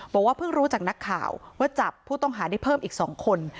บอกว่าเพิ่งรู้จากนักข่าวว่าจับผู้ต้องหาได้เพิ่มอีก๒คน